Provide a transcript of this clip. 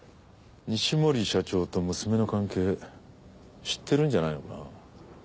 西森社長と娘の関係知ってるんじゃないのかな？